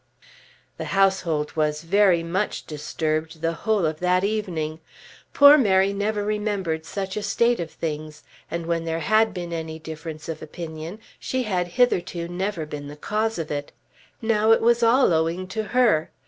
The household was very much disturbed the whole of that evening. Poor Mary never remembered such a state of things, and when there had been any difference of opinion, she had hitherto never been the cause of it. Now it was all owing to her!